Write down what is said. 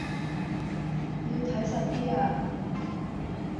要睇實啲呀